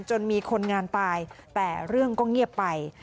จนมีคนงานตายแต่เรื่องก็เงียบไป